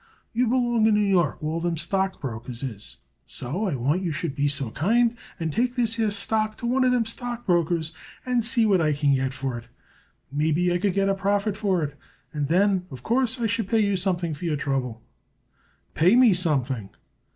You belong in New York where all them stock brokers is, so I want you should be so kind and take this here stock to one of them stock brokers and see what I can get for it. Maybe I could get a profit for it, and then, of course, I should pay you something for your trouble." "Pay me something!"